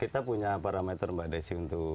kita punya parameter mbak desi untuk